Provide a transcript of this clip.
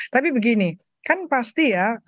tapi begini kan pasti ya